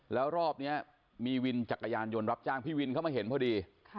แล้วรอบนี้มีวินจักรยานยนต์รับจ้างพี่วินเข้ามาเห็นพอดี